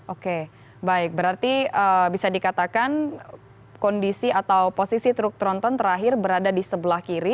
oke baik berarti bisa dikatakan kondisi atau posisi truk tronton terakhir berada di sebelah kiri